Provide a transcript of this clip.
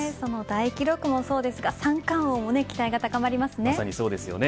その大記録もそうですが三冠王も期待が高まりますね。